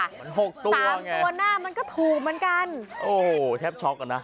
มันหกตัวสามตัวหน้ามันก็ถูกเหมือนกันโอ้โหแทบช็อกอ่ะนะ